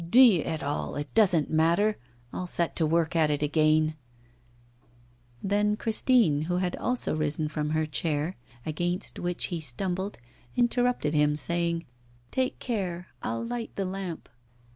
'D n it all, it doesn't matter, I'll set to work at it again ' Then Christine, who had also risen from her chair, against which he stumbled, interrupted him, saying: 'Take care, I'll light the lamp.